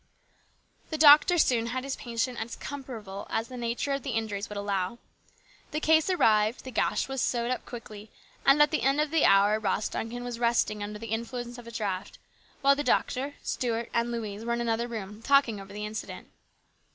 The doctor soon had his patient as comfortable as the nature of the injuries would allow. The case arrived, the gash was sewed up quickly, and at the end of the hour Ross Duncan was resting under the influence of a draught, while the doctor, Stuart, and Louise were in another room talking over the accident.